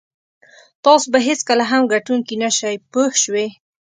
تاسو به هېڅکله هم ګټونکی نه شئ پوه شوې!.